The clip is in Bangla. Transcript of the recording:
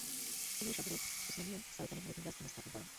তিনি এই শহরে উসমানীয় সালতানাতের নতুন রাজধানী স্থাপন করেন।